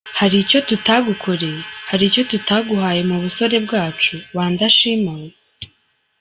Hari icyo tutagukoreye, hari icyo tutaguhaye mu busore bwacu wa ndashima we?